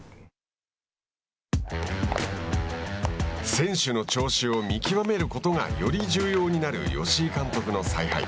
選手の調子を見極めることがより重要になる吉井監督の采配。